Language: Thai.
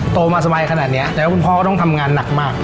โตมาสบายขนาดนี้แล้วคุณพ่อก็ต้องทำงานหนักมาก